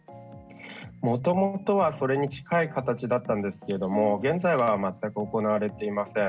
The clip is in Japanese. もともとはそれに近い形だったんですが現在は、全く行われていません。